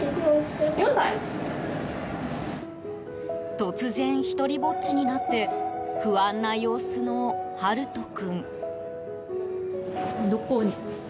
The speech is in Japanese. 突然、独りぼっちになって不安な様子の、はると君。